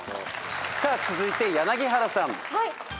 さあ続いて柳原さん。